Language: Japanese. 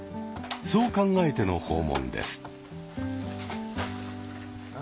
そう考えての訪問です。